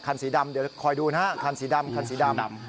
สีดำเดี๋ยวคอยดูนะฮะคันสีดำคันสีดำ